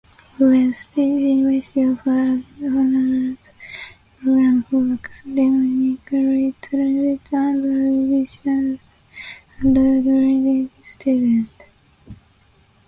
Bowie State University offers an honors program for academically talented and ambitious undergraduate students.